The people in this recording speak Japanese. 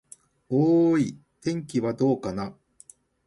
おーーい、天気はどうかな。